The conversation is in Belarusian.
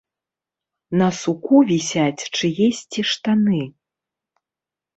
На суку вісяць чыесьці штаны.